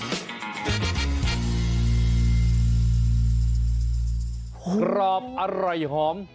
กรอบอร่อยหอม